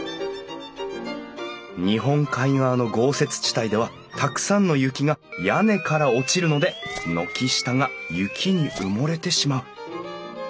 日本海側の豪雪地帯ではたくさんの雪が屋根から落ちるので軒下が雪に埋もれてしまう。